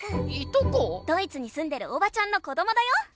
ドイツにすんでるおばちゃんの子どもだよ。